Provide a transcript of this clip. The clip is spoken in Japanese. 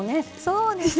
そうです！